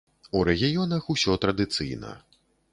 У рэгіёнах усё традыцыйна.